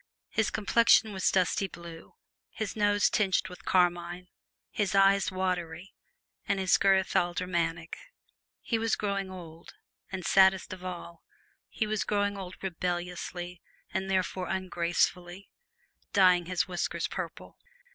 His complexion was dusty blue, his nose tinged with carmine, his eyes watery, and his girth aldermanic. He was growing old, and, saddest of all, he was growing old rebelliously and therefore ungracefully dyeing his whiskers purple.